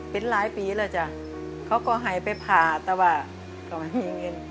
เป็นหลายปีแล้วจ้ะเขาก็ให้ไปผ่าแต่ว่าก็ไม่มีเงิน